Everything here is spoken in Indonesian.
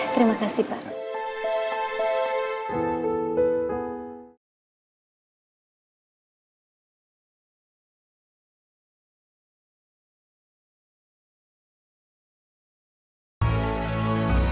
terima kasih pak